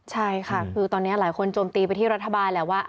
ใช่ค่ะคือตอนนี้หลายคนโจมตีไปที่รัฐบาลแหละว่า